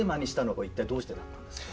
これどうしてだったんですか？